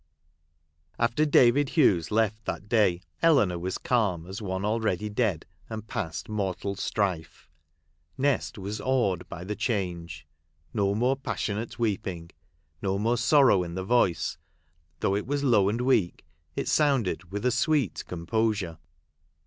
After David Hughes left that day, Eleanor was calm as one already dead, and past mortal strife. Nest was awed by the change. No more passionate weeping — no more sorrow in the voice ; though it was low and weak, it sounded with a sweet composure.